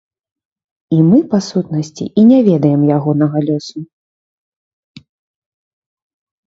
І мы, па сутнасці, і не ведаем ягонага лёсу.